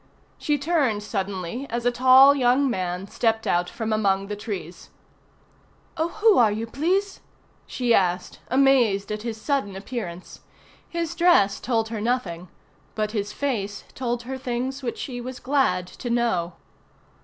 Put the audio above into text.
She turned suddenly, as a tall young man stepped out from among the trees. "Oh, who are you, please?" she asked, amazed at his sudden appearance. His dress told her nothing, but his face told her things which she was glad to know.